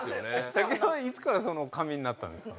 竹山はいつからその髪になったんですか？